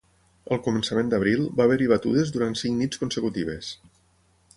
Al començament d'abril, va haver-hi batudes durant cinc nits consecutives.